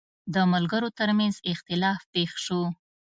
د ملګرو ترمنځ اختلاف پېښ شو.